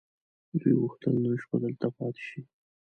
دوی غوښتل نن شپه دلته پاتې شي.